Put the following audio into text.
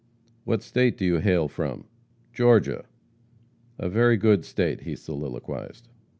'What state do you hail from?' 'Georgia.' 'A very good state,' he soliloquized.